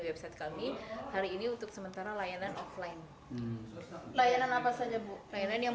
website kami hari ini untuk sementara layanan offline layanan apa saja bu layanan yang